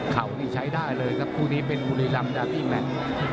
เข่านี่ใช้ได้เลยครับคู่นี้เป็นอุริรัมดาพี่แม่น